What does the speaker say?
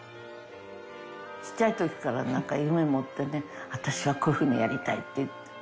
ちっちゃいときから、なんか夢を持ってね、私はこういうふうにやりたいって言って。